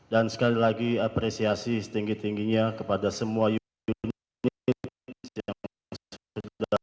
dan sekali lagi apresiasi setinggi tingginya kepada semua unit unit yang sudah dalam